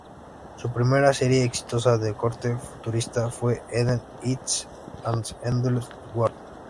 Su primera serie exitosa de corte futurista fue "Eden: It's an Endless World!